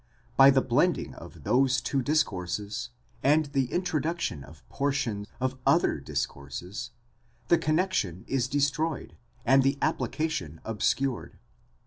by the blending of those two discourses, and the introduction of portions of other discourses, the connexion is destroyed, and the application obscured.